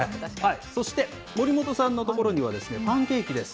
そして守本さんの所にはパンケーキです。